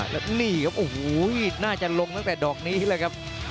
แล้วนี่ครับโอ้โหน่าจะลงตั้งแต่ดอกนี้เลยครับ